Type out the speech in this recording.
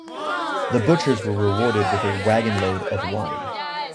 The butchers were rewarded with a wagonload of wine.